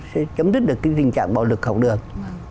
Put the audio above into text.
sẽ chấm dứt được cái tình trạng bạo lực học đường